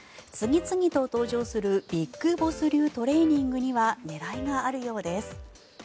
次々と登場するＢＩＧＢＯＳＳ流トレーニングには狙いがあるようです。